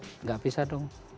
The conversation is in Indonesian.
tidak bisa dong